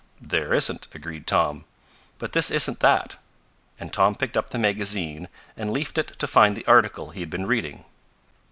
"There isn't," agreed Tom. "But this isn't that," and Tom picked up the magazine and leafed it to find the article he had been reading.